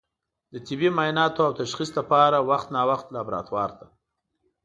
د طبي معایناتو او تشخیص لپاره وخت نا وخت لابراتوار ته